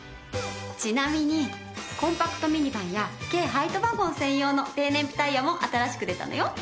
ちなみにコンパクトミニバンや軽ハイトワゴン専用の低燃費タイヤも新しく出たのよ。